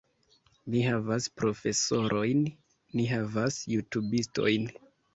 Ni havas profesorojn, ni havas jutubistojn